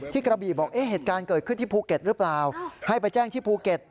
กระบี่บอกเอ๊ะเหตุการณ์เกิดขึ้นที่ภูเก็ตหรือเปล่าให้ไปแจ้งที่ภูเก็ต